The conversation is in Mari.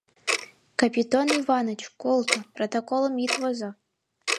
Капитон Иваныч, колто, протоколым ит возо.